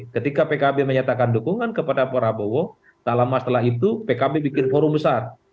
ketika pkb menyatakan dukungan kepada prabowo tak lama setelah itu pkb bikin forum besar